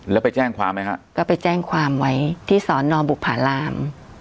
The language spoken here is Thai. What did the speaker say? แล้วไปแจ้งความไหมฮะก็ไปแจ้งความไว้ที่สอนอบุภาราม